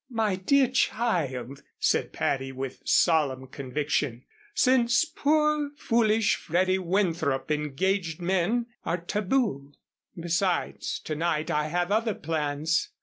"My dear child," said Patty, with solemn conviction, "since poor, foolish Freddy Winthrop, engaged men are taboo. Besides, to night I have other plans.